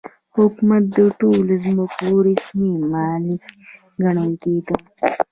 حکومت د ټولو ځمکو رسمي مالک ګڼل کېده.